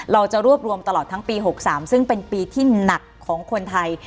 เราจะรวบรวมตลอดทั้งปี๖๓ซึ่งเป็นปีที่หนักของคนไทย